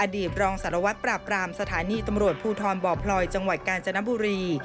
ตบรองสารวัตรปราบรามสถานีตำรวจภูทรบ่อพลอยจังหวัดกาญจนบุรี